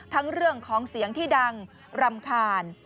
เรื่องของเสียงที่ดังรำคาญ